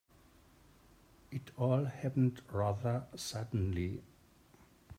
It all happened rather suddenly.